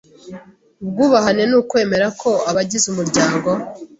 Ubwubahane ni ukwemera ko abagize umuryango